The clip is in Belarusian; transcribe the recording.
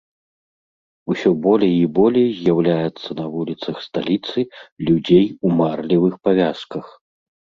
Усё болей і болей з'яўляецца на вуліцах сталіцы людзей у марлевых павязках.